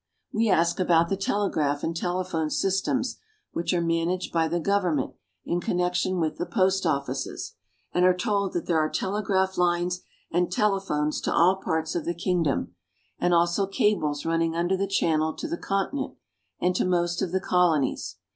We ask about the telegraph and telephone systems, which are managed by the government in connection with the post offices, and are told that there are telegraph lines and telephones to all parts of the kingdom, and also cables run ning under the Channel to the Continent, and to most of the colonies.